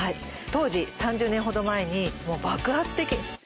当時３０年ほど前に爆発的。